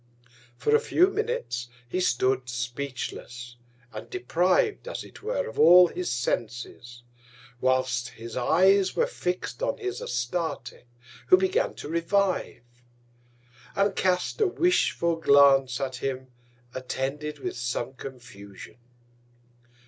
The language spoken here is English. For a few Minutes he stood speechless, and depriv'd, as it were, of all his senses, whilst his Eyes were fixt on his Astarte, who began to revive; and cast a wishful Glance at him, attended with some Confusion.